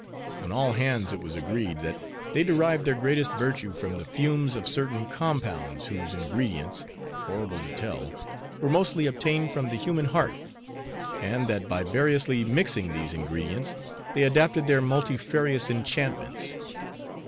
On all hands it was agreed, that they derived their greatest virtue from the fumes of certain compounds, whose ingredients—horrible to tell—were mostly obtained from the human heart; and that by variously mixing these ingredients, they adapted their multifarious enchantments.